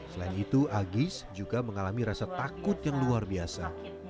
selain itu agis juga mengalami rasa takut yang luar biasa